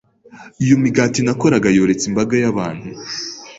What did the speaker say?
Iyo migati nakoraga yoretse imbaga y’abantu